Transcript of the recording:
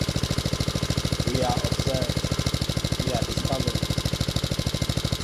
We are observed! — we are discovered!